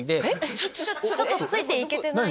ちょっとついていけてない。